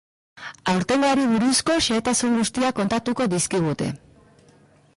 Aurtengoari buruzko xehetasun guztiak kontatuko dizkigute.